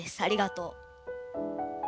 ありがとう。